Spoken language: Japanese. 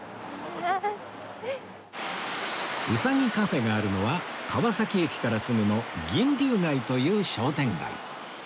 うさぎカフェがあるのは川崎駅からすぐの銀柳街という商店街